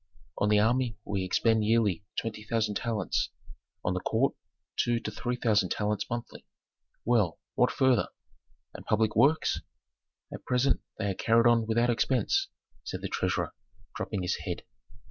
"On the army we expend yearly twenty thousand talents; on the court two to three thousand talents monthly." "Well, what further? And public works?" "At present they are carried on without expense," said the treasurer, dropping his head.